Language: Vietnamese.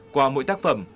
qua mỗi tác phẩm